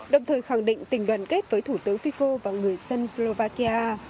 đồng thời khẳng định tình đoàn kết với thủ tướng fico và người dân slovakia